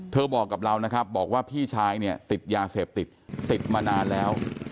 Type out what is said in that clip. บอกกับเรานะครับบอกว่าพี่ชายเนี่ยติดยาเสพติดติดมานานแล้ว